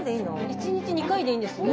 １日２回でいいんですね。